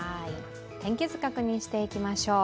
天気図、確認していきましょう。